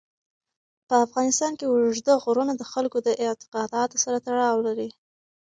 په افغانستان کې اوږده غرونه د خلکو د اعتقاداتو سره تړاو لري.